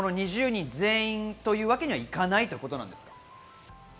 ２０人全員というわけにはいかないということなんですか？